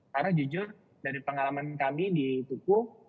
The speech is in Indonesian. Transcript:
karena jujur dari pengalaman kami di tuku